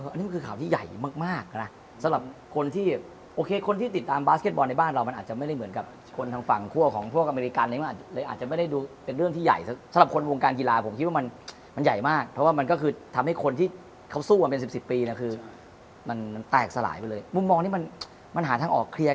อันนี้มันคือข่าวที่ใหญ่มากมากนะสำหรับคนที่โอเคคนที่ติดตามบาสเก็ตบอลในบ้านเรามันอาจจะไม่ได้เหมือนกับคนทางฝั่งคั่วของพวกอเมริกันเองเลยอาจจะไม่ได้ดูเป็นเรื่องที่ใหญ่สำหรับคนวงการกีฬาผมคิดว่ามันมันใหญ่มากเพราะว่ามันก็คือทำให้คนที่เขาสู้มาเป็นสิบสิบปีเนี่ยคือมันแตกสลายไปเลยมุมมองที่มันมันหาทางออกเคลียร์